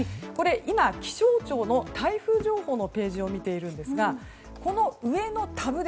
今、気象庁の台風情報のページを見ているんですがこの上のタブ